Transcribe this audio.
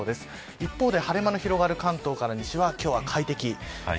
一方で晴れ間の広がる関東から西は快適です。